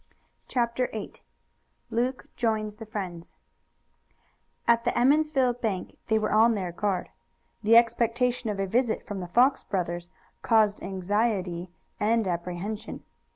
CHAPTER VIII LUKE JOINS THE FRIENDS At the Emmonsville bank they were on their guard. The expectation of a visit from the Fox brothers caused anxiety and apprehension.